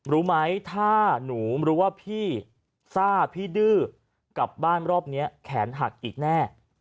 รู้ไหมถ้าหนูรู้ว่าพี่ซ่าพี่ดื้อกลับบ้านรอบนี้แขนหักอีกแน่